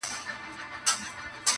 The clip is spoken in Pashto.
ما یې په خوبونو کي سیندونه وچ لیدلي دي-